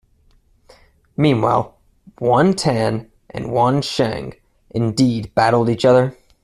Meanwhile, Yuan Tan and Yuan Shang indeed battled each other.